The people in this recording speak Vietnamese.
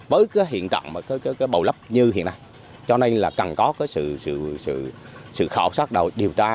với cái hiện trọng mà cái bồi lấp như hiện nay cho nên là cần có cái sự khảo sát đầu điều tra